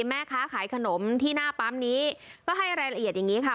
แม่ค้าขายขนมที่หน้าปั๊มนี้ก็ให้รายละเอียดอย่างนี้ค่ะ